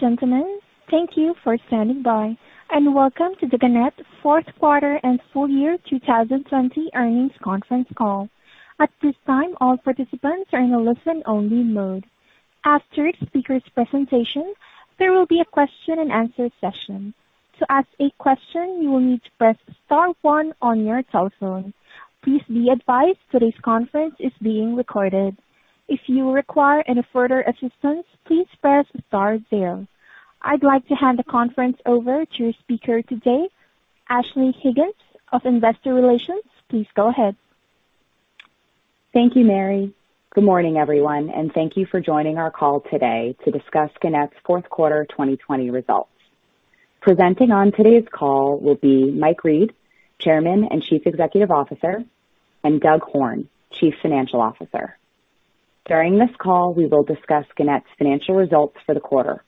Ladies and gentlemen, thank you for standing by, and welcome to the Gannett fourth quarter and full year 2020 earnings conference call. At this time, all participants are in a listen-only mode. After the speakers' presentation, there will be a question and answer session. To ask a question, you will need to press star one on your telephone. Please be advised today's conference is being recorded. If you require any further assistance, please press star zero. I'd like to hand the conference over to your speaker today, Ashley Higgins of Investor Relations. Please go ahead. Thank you, Mary. Good morning, everyone, and thank you for joining our call today to discuss Gannett's fourth quarter 2020 results. Presenting on today's call will be Michael Reed, Chairman and Chief Executive Officer, and Douglas Horne, Chief Financial Officer. During this call, we will discuss Gannett's financial results for the quarter.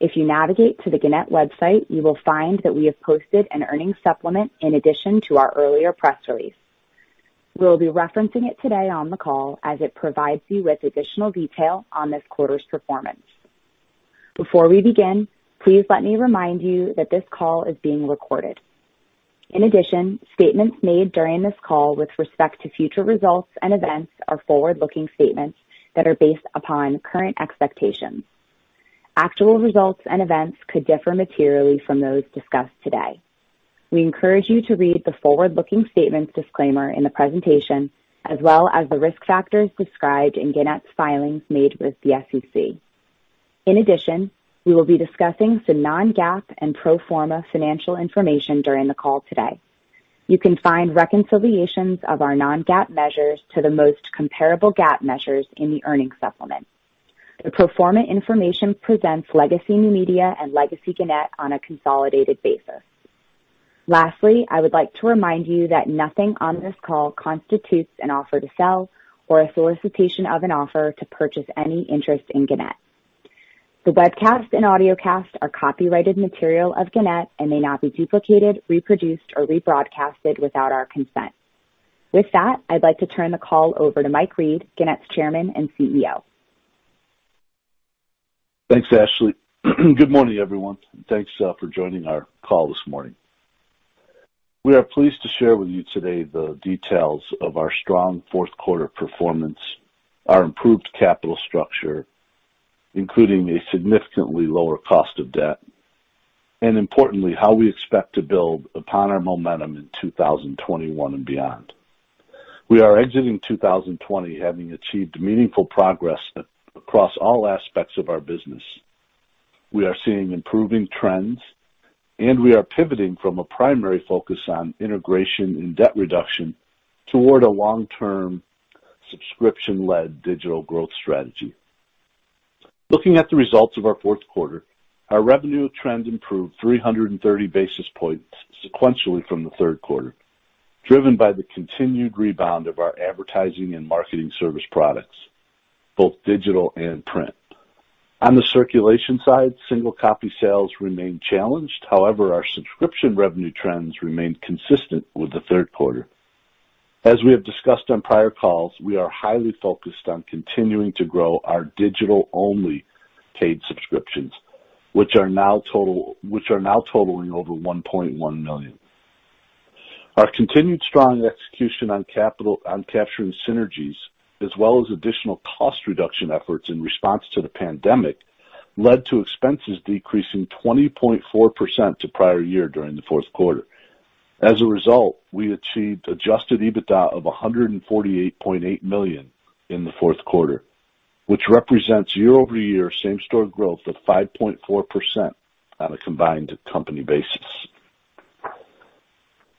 If you navigate to the Gannett website, you will find that we have posted an earnings supplement in addition to our earlier press release. We'll be referencing it today on the call as it provides you with additional detail on this quarter's performance. Before we begin, please let me remind you that this call is being recorded. In addition, statements made during this call with respect to future results and events are forward-looking statements that are based upon current expectations. Actual results and events could differ materially from those discussed today. We encourage you to read the forward-looking statements disclaimer in the presentation as well as the risk factors described in Gannett's filings made with the SEC. In addition, we will be discussing some non-GAAP and pro forma financial information during the call today. You can find reconciliations of our non-GAAP measures to the most comparable GAAP measures in the earnings supplement. The pro forma information presents Legacy New Media and Legacy Gannett on a consolidated basis. Lastly, I would like to remind you that nothing on this call constitutes an offer to sell or a solicitation of an offer to purchase any interest in Gannett. The webcast and audiocast are copyrighted material of Gannett and may not be duplicated, reproduced, or rebroadcasted without our consent. With that, I'd like to turn the call over to Michael Reed, Gannett's Chairman and CEO. Thanks, Ashley. Good morning, everyone, and thanks for joining our call this morning. We are pleased to share with you today the details of our strong fourth quarter performance, our improved capital structure, including a significantly lower cost of debt, and importantly, how we expect to build upon our momentum in 2021 and beyond. We are exiting 2020 having achieved meaningful progress across all aspects of our business. We are seeing improving trends, and we are pivoting from a primary focus on integration and debt reduction toward a long-term, subscription-led digital growth strategy. Looking at the results of our fourth quarter, our revenue trends improved 330 basis points sequentially from the third quarter, driven by the continued rebound of our advertising and marketing service products, both digital and print. On the circulation side, single copy sales remained challenged. However, our subscription revenue trends remained consistent with the third quarter. As we have discussed on prior calls, we are highly focused on continuing to grow our digital-only paid subscriptions, which are now totaling over 1.1 million. Our continued strong execution on capturing synergies as well as additional cost reduction efforts in response to the pandemic led to expenses decreasing 20.4% to prior year during the fourth quarter. As a result, we achieved adjusted EBITDA of $148.8 million in the fourth quarter, which represents year-over-year same-store growth of 5.4% on a combined company basis.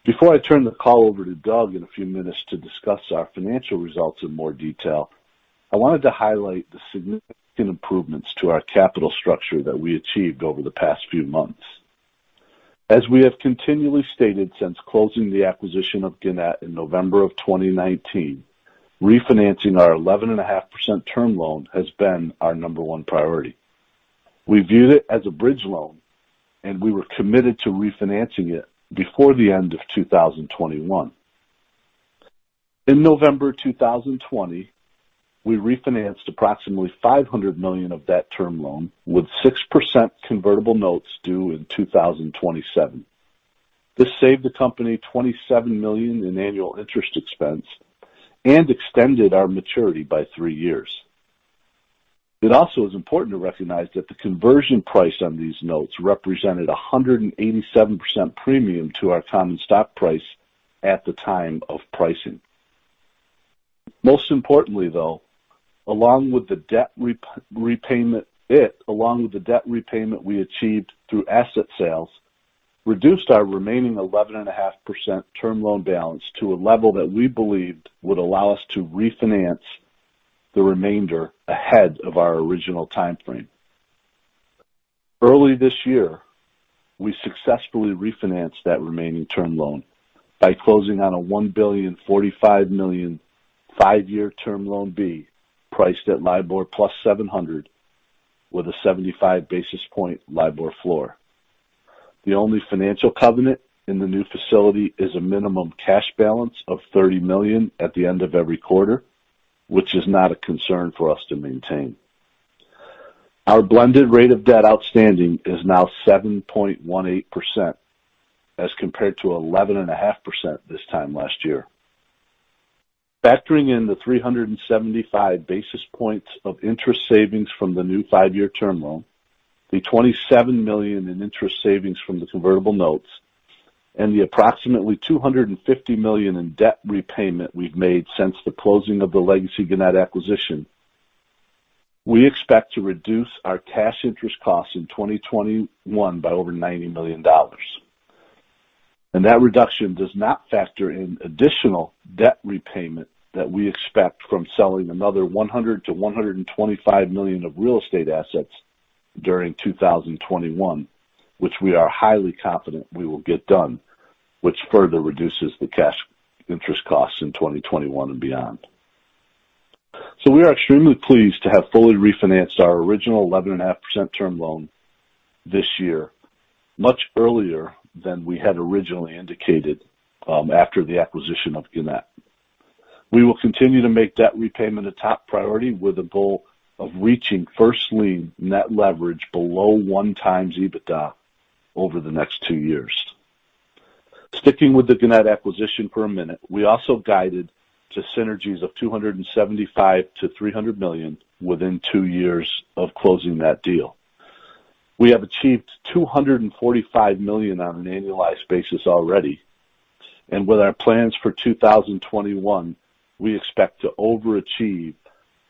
Before I turn the call over to Doug in a few minutes to discuss our financial results in more detail, I wanted to highlight the significant improvements to our capital structure that we achieved over the past few months. As we have continually stated since closing the acquisition of Gannett in November 2019, refinancing our 11.5% term loan has been our number one priority. We viewed it as a bridge loan, we were committed to refinancing it before the end of 2021. In November 2020, we refinanced approximately $500 million of that term loan with 6% convertible notes due in 2027. This saved the company $27 million in annual interest expense and extended our maturity by three years. It also is important to recognize that the conversion price on these notes represented 187% premium to our common stock price at the time of pricing. Most importantly, though, it, along with the debt repayment we achieved through asset sales, reduced our remaining 11.5% term loan balance to a level that we believed would allow us to refinance the remainder ahead of our original timeframe. Early this year, we successfully refinanced that remaining term loan by closing on a $1.045 billion 5-year Term Loan B, priced at LIBOR plus 700 with a 75 basis point LIBOR floor. The only financial covenant in the new facility is a minimum cash balance of $30 million at the end of every quarter, which is not a concern for us to maintain. Our blended rate of debt outstanding is now 7.18% as compared to 11.5% this time last year. Factoring in the 375 basis points of interest savings from the new five-year term loan, the $27 million in interest savings from the convertible notes, and the approximately $250 million in debt repayment we've made since the closing of the Legacy Gannett acquisition, we expect to reduce our cash interest costs in 2021 by over $90 million. That reduction does not factor in additional debt repayment that we expect from selling another $100 million-$125 million of real estate assets during 2021, which we are highly confident we will get done, which further reduces the cash interest costs in 2021 and beyond. We are extremely pleased to have fully refinanced our original 11.5% term loan this year, much earlier than we had originally indicated after the acquisition of Gannett. We will continue to make debt repayment a top priority with a goal of reaching first lien net leverage below one times EBITDA over the next two years. Sticking with the Gannett acquisition for a minute, we also guided to synergies of $275 million-$300 million within two years of closing that deal. We have achieved $245 million on an annualized basis already. With our plans for 2021, we expect to overachieve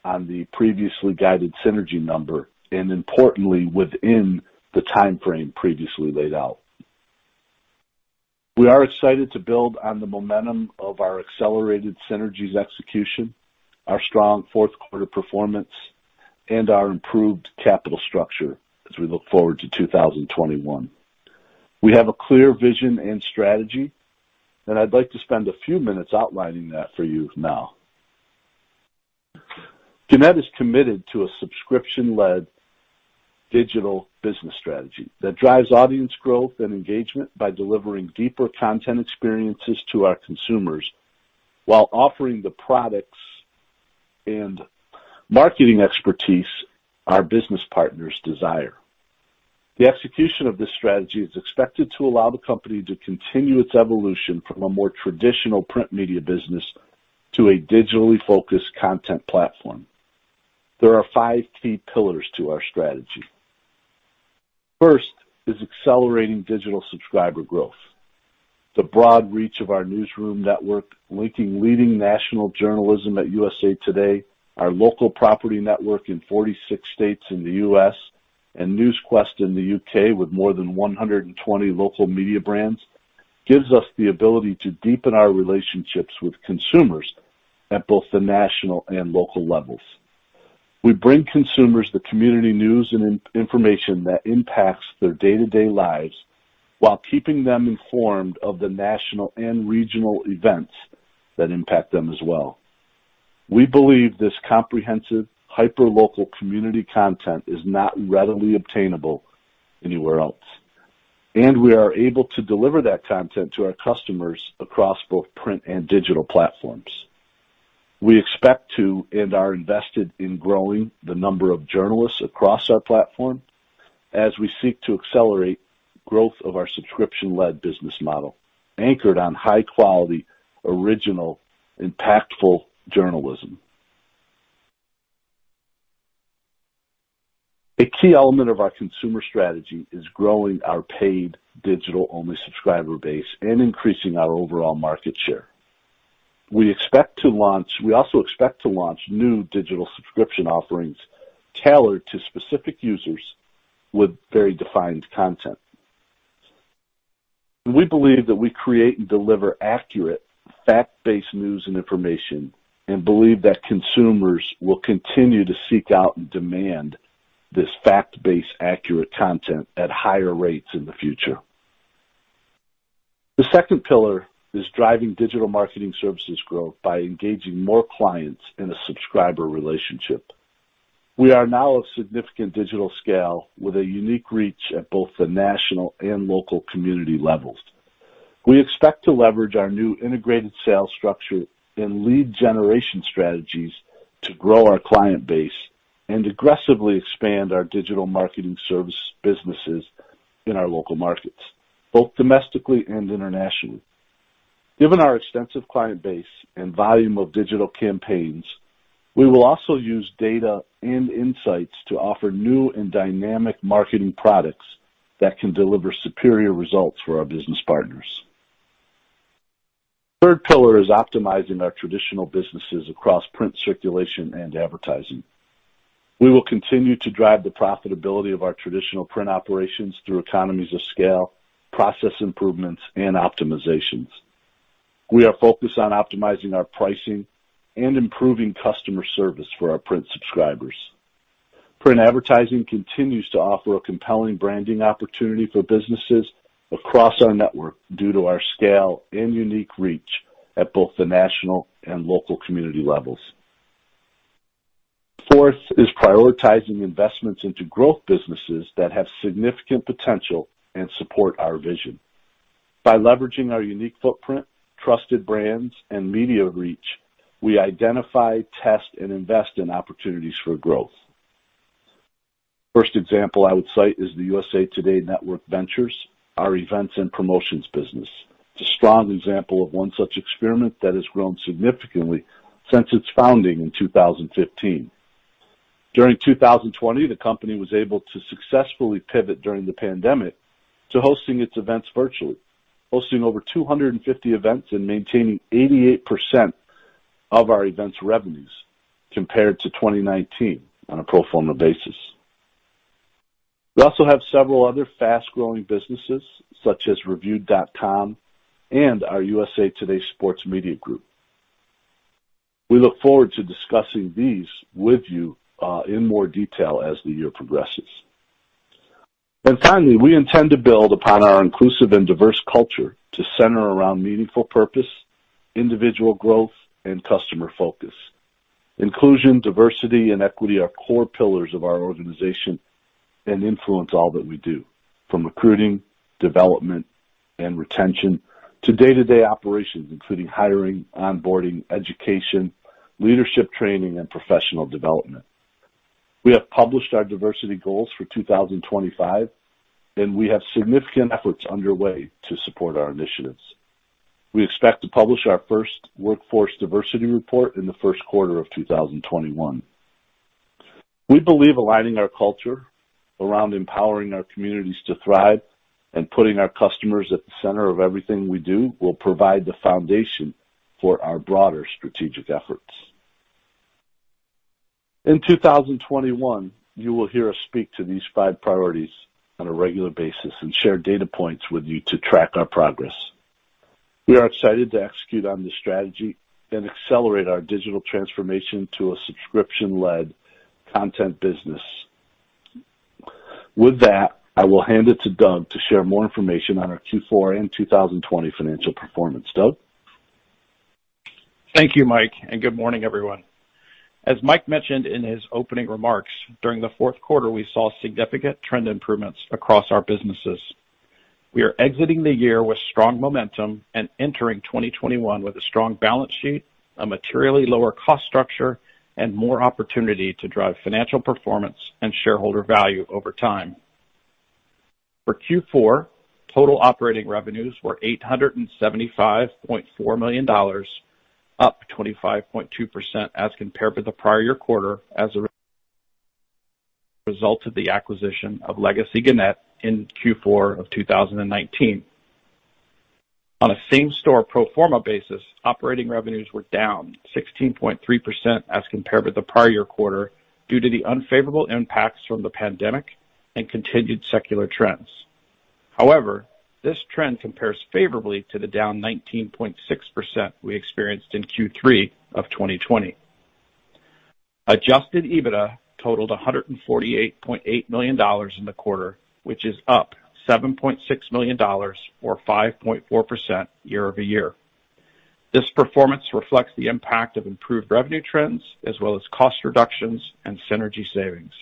on the previously guided synergy number, and importantly, within the timeframe previously laid out. We are excited to build on the momentum of our accelerated synergies execution, our strong fourth quarter performance, and our improved capital structure as we look forward to 2021. We have a clear vision and strategy, and I'd like to spend a few minutes outlining that for you now. Gannett is committed to a subscription-led digital business strategy that drives audience growth and engagement by delivering deeper content experiences to our consumers while offering the products and marketing expertise our business partners desire. The execution of this strategy is expected to allow the company to continue its evolution from a more traditional print media business to a digitally focused content platform. There are five key pillars to our strategy. First is accelerating digital subscriber growth. The broad reach of our newsroom network, linking leading national journalism at USA TODAY, our local property network in 46 states in the U.S., and Newsquest in the U.K. with more than 120 local media brands, gives us the ability to deepen our relationships with consumers at both the national and local levels. We bring consumers the community news and information that impacts their day-to-day lives while keeping them informed of the national and regional events that impact them as well. We believe this comprehensive, hyper-local community content is not readily obtainable anywhere else, and we are able to deliver that content to our customers across both print and digital platforms. We expect to, and are invested in growing the number of journalists across our platform as we seek to accelerate growth of our subscription-led business model, anchored on high-quality, original, impactful journalism. A key element of our consumer strategy is growing our paid digital-only subscriber base and increasing our overall market share. We also expect to launch new digital subscription offerings tailored to specific users with very defined content. We believe that we create and deliver accurate, fact-based news and information and believe that consumers will continue to seek out and demand this fact-based, accurate content at higher rates in the future. The second pillar is driving digital marketing services growth by engaging more clients in a subscriber relationship. We are now a significant digital scale with a unique reach at both the national and local community levels. We expect to leverage our new integrated sales structure and lead generation strategies to grow our client base and aggressively expand our digital marketing service businesses in our local markets, both domestically and internationally. Given our extensive client base and volume of digital campaigns, we will also use data and insights to offer new and dynamic marketing products that can deliver superior results for our business partners. Third pillar is optimizing our traditional businesses across print circulation and advertising. We will continue to drive the profitability of our traditional print operations through economies of scale, process improvements, and optimizations. We are focused on optimizing our pricing and improving customer service for our print subscribers. Print advertising continues to offer a compelling branding opportunity for businesses across our network due to our scale and unique reach at both the national and local community levels. Fourth is prioritizing investments into growth businesses that have significant potential and support our vision. By leveraging our unique footprint, trusted brands, and media reach, we identify, test, and invest in opportunities for growth. First example I would cite is the USA TODAY Network Ventures, our events and promotions business. It's a strong example of one such experiment that has grown significantly since its founding in 2015. During 2020, the company was able to successfully pivot during the pandemic to hosting its events virtually, hosting over 250 events and maintaining 88% of our events revenues compared to 2019 on a pro forma basis. We also have several other fast-growing businesses, such as Reviewed.com and our USA TODAY Sports Media Group. We look forward to discussing these with you in more detail as the year progresses. Finally, we intend to build upon our inclusive and diverse culture to center around meaningful purpose, individual growth, and customer focus. Inclusion, diversity, and equity are core pillars of our organization and influence all that we do, from recruiting, development, and retention, to day-to-day operations, including hiring, onboarding, education, leadership training, and professional development. We have published our diversity goals for 2025, and we have significant efforts underway to support our initiatives. We expect to publish our first Workforce Diversity Report in the first quarter of 2021. We believe aligning our culture around empowering our communities to thrive and putting our customers at the center of everything we do will provide the foundation for our broader strategic efforts. In 2021, you will hear us speak to these five priorities on a regular basis and share data points with you to track our progress. We are excited to execute on this strategy and accelerate our digital transformation to a subscription-led content business. With that, I will hand it to Doug to share more information on our Q4 and 2020 financial performance. Doug? Thank you, Mike, and good morning, everyone. As Mike mentioned in his opening remarks, during the fourth quarter, we saw significant trend improvements across our businesses. We are exiting the year with strong momentum and entering 2021 with a strong balance sheet, a materially lower cost structure, and more opportunity to drive financial performance and shareholder value over time. For Q4, total operating revenues were $875.4 million, up 25.2% as compared with the prior year quarter as a result of the acquisition of Legacy Gannett in Q4 of 2019. On a same-store pro forma basis, operating revenues were down 16.3% as compared with the prior year quarter due to the unfavorable impacts from the pandemic and continued secular trends. However, this trend compares favorably to the down 19.6% we experienced in Q3 of 2020. Adjusted EBITDA totaled $148.8 million in the quarter, which is up $7.6 million, or 5.4% year-over-year. This performance reflects the impact of improved revenue trends as well as cost reductions and synergy savings.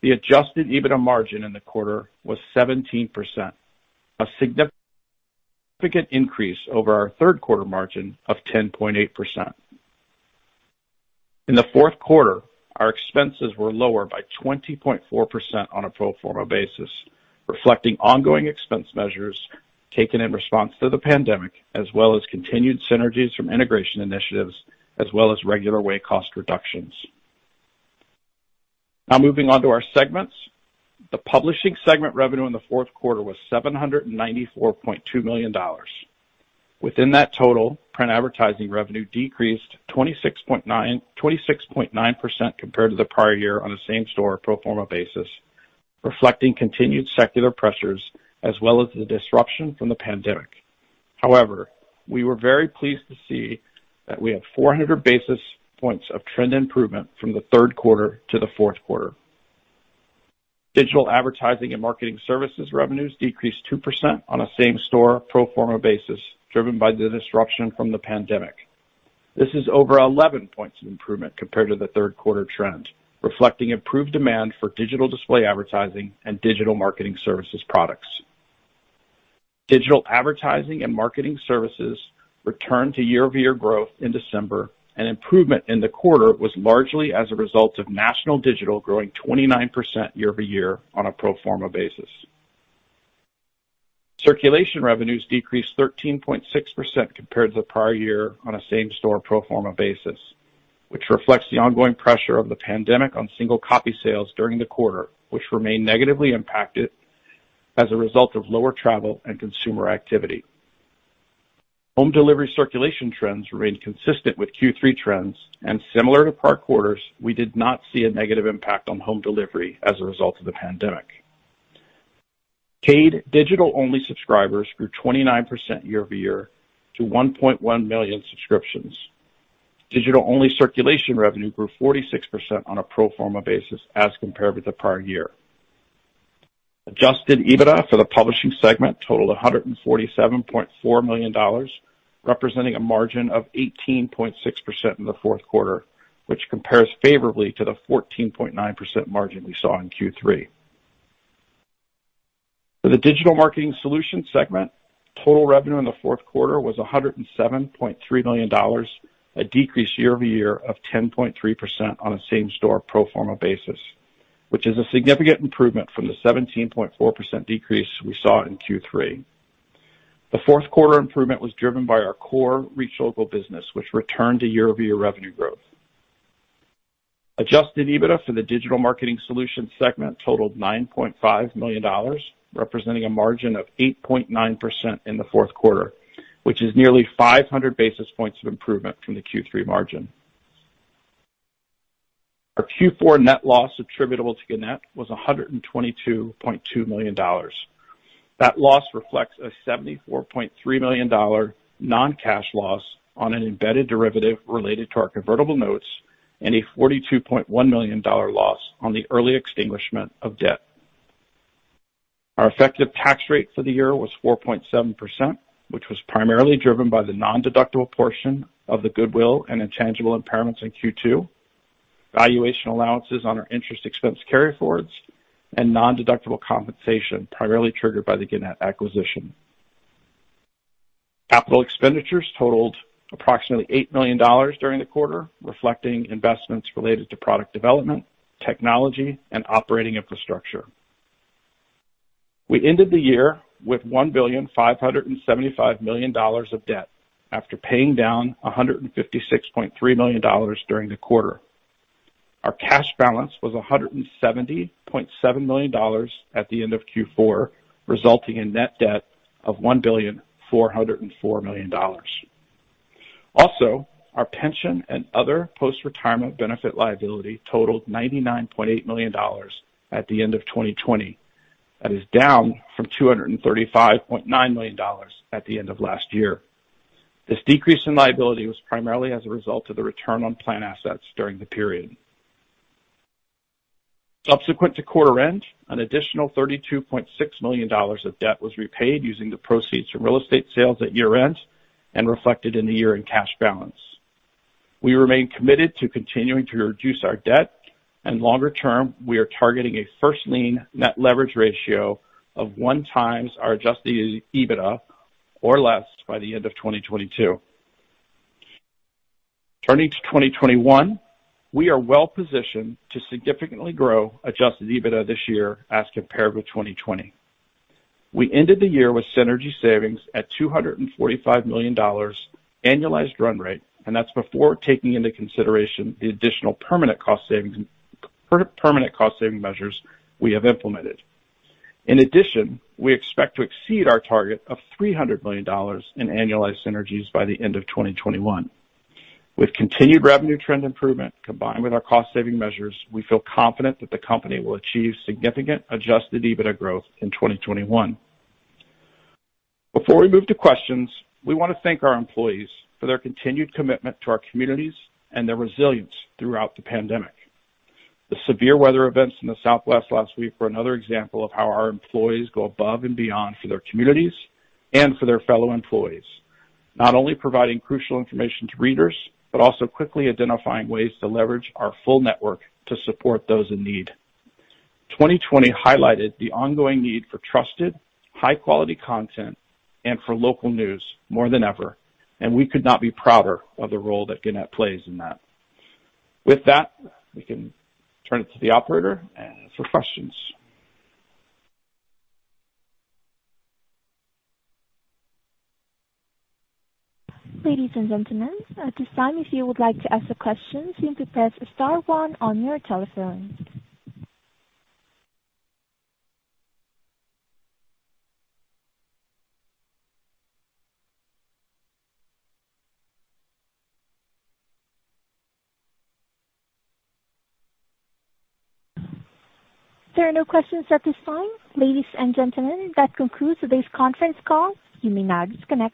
The adjusted EBITDA margin in the quarter was 17%, a significant increase over our third quarter margin of 10.8%. In the fourth quarter, our expenses were lower by 20.4% on a pro forma basis, reflecting ongoing expense measures taken in response to the pandemic, as well as continued synergies from integration initiatives as well as regular way cost reductions. Moving on to our segments. The publishing segment revenue in the fourth quarter was $794.2 million. Within that total, print advertising revenue decreased 26.9% compared to the prior year on a same-store pro forma basis, reflecting continued secular pressures as well as the disruption from the pandemic. We were very pleased to see that we have 400 basis points of trend improvement from the third quarter to the fourth quarter. Digital advertising and marketing services revenues decreased 2% on a same-store pro forma basis, driven by the disruption from the pandemic. This is over 11 points of improvement compared to the third quarter trend, reflecting improved demand for digital display advertising and digital marketing services products. Digital advertising and marketing services returned to year-over-year growth in December, and improvement in the quarter was largely as a result of national digital growing 29% year over year on a pro forma basis. Circulation revenues decreased 13.6% compared to the prior year on a same-store pro forma basis, which reflects the ongoing pressure of the pandemic on single copy sales during the quarter, which remain negatively impacted as a result of lower travel and consumer activity. Home delivery circulation trends remained consistent with Q3 trends, and similar to prior quarters, we did not see a negative impact on home delivery as a result of the pandemic. Paid digital-only subscribers grew 29% year-over-year to 1.1 million subscriptions. Digital-only circulation revenue grew 46% on a pro forma basis as compared with the prior year. Adjusted EBITDA for the publishing segment totaled $147.4 million, representing a margin of 18.6% in the fourth quarter, which compares favorably to the 14.9% margin we saw in Q3. For the digital marketing solutions segment, total revenue in the fourth quarter was $107.3 million, a decrease year-over-year of 10.3% on a same-store pro forma basis, which is a significant improvement from the 17.4% decrease we saw in Q3. The fourth quarter improvement was driven by our core ReachLocal business, which returned to year-over-year revenue growth. Adjusted EBITDA for the digital marketing solutions segment totaled $9.5 million, representing a margin of 8.9% in the fourth quarter, which is nearly 500 basis points of improvement from the Q3 margin. Our Q4 net loss attributable to Gannett was $122.2 million. That loss reflects a $74.3 million non-cash loss on an embedded derivative related to our convertible notes and a $42.1 million loss on the early extinguishment of debt. Our effective tax rate for the year was 4.7%, which was primarily driven by the non-deductible portion of the goodwill and intangible impairments in Q2, valuation allowances on our interest expense carryforwards, and non-deductible compensation primarily triggered by the Gannett acquisition. Capital expenditures totaled approximately $8 million during the quarter, reflecting investments related to product development, technology, and operating infrastructure. We ended the year with $1.575 billion of debt after paying down $156.3 million during the quarter. Our cash balance was $170.7 million at the end of Q4, resulting in net debt of $1.404 billion. Also, our pension and other post-retirement benefit liability totaled $99.8 million at the end of 2020. That is down from $235.9 million at the end of last year. This decrease in liability was primarily as a result of the return on plan assets during the period. Subsequent to quarter end, an additional $32.6 million of debt was repaid using the proceeds from real estate sales at year-end and reflected in the year-end cash balance. We remain committed to continuing to reduce our debt, and longer term, we are targeting a first-lien net leverage ratio of one times our adjusted EBITDA or less by the end of 2022. Turning to 2021, we are well positioned to significantly grow adjusted EBITDA this year as compared with 2020. We ended the year with synergy savings at $245 million annualized run rate, and that's before taking into consideration the additional permanent cost-saving measures we have implemented. In addition, we expect to exceed our target of $300 million in annualized synergies by the end of 2021. With continued revenue trend improvement, combined with our cost-saving measures, we feel confident that the company will achieve significant adjusted EBITDA growth in 2021. Before we move to questions, we want to thank our employees for their continued commitment to our communities and their resilience throughout the pandemic. The severe weather events in the Southwest last week were another example of how our employees go above and beyond for their communities and for their fellow employees, not only providing crucial information to readers, but also quickly identifying ways to leverage our full network to support those in need. 2020 highlighted the ongoing need for trusted, high-quality content and for local news more than ever, and we could not be prouder of the role that Gannett plays in that. With that, we can turn it to the operator for questions. Ladies and gentlemen, at this time, if you would like to ask a question, simply press star one on your telephone. There are no questions at this time. Ladies and gentlemen, that concludes today's conference call. You may now disconnect.